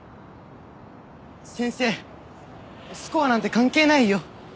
先生スコアなんて関係ないよ。